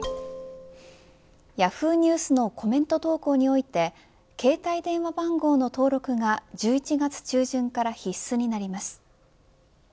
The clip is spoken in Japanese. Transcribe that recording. Ｙａｈｏｏ！ニュースのコメント投稿において携帯電話番号の登録が１１月中旬から必須になります。